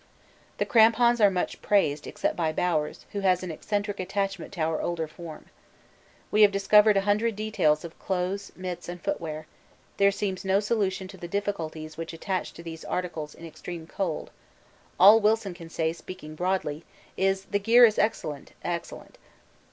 The crampons are much praised, except by Bowers, who has an eccentric attachment to our older form. We have discovered a hundred details of clothes, mits, and footwear: there seems no solution to the difficulties which attach to these articles in extreme cold; all Wilson can say, speaking broadly, is 'the gear is excellent, excellent.'